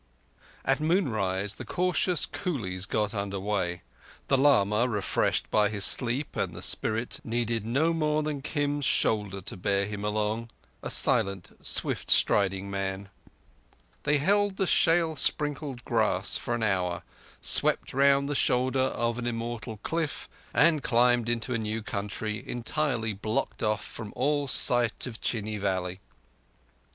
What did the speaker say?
At moonrise the cautious coolies got under way. The lama, refreshed by his sleep and the spirit, needed no more than Kim's shoulder to bear him along—a silent, swift striding man. They held the shale sprinkled grass for an hour, swept round the shoulder of an immortal cliff, and climbed into a new country entirely blocked off from all sight of Chini valley.